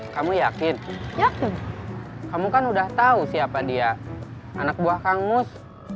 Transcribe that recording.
kamu yakin ya kamu kan udah tahu siapa dia anak buah kang mus